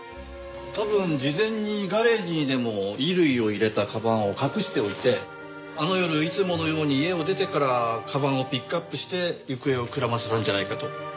多分事前にガレージにでも衣類を入れた鞄を隠しておいてあの夜いつものように家を出てから鞄をピックアップして行方をくらませたんじゃないかと。